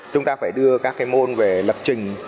chúng ta phải đưa các cái môn về lập trình